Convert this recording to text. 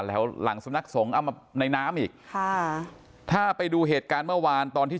แล้วหลังสำนักสงฆ์เอามาในน้ำอีกค่ะถ้าไปดูเหตุการณ์เมื่อวานตอนที่